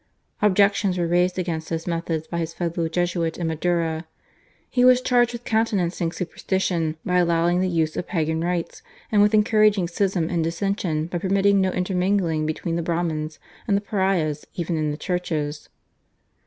Objections were raised against his methods by his fellow Jesuit in Madura. He was charged with countenancing superstition by allowing the use of pagan rites, and with encouraging schism and dissension by permitting no intermingling between the Brahmins and the pariahs even in the churches.